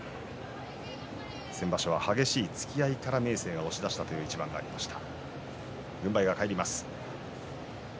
先場所は激しい突き合いから明生が押し出したという一番もありました。